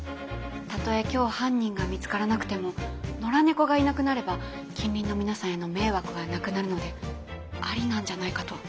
たとえ今日犯人が見つからなくても野良猫がいなくなれば近隣の皆さんへの迷惑はなくなるのでありなんじゃないかと。